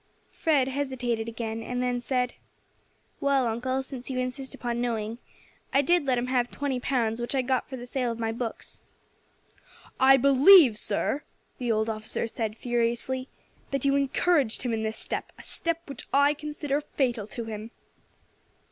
Fred hesitated again, and then said. "Well, uncle, since you insist upon knowing, I did let him have twenty pounds which I got for the sale of my books." "I believe, sir," the old officer said furiously, "that you encouraged him in this step, a step which I consider fatal to him."